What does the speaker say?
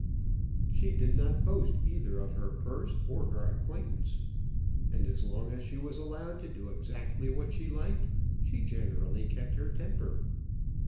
She did not boast either of her purse or her acquaintance; and as long as she was allowed to do exactly what she liked she generally kept her temper.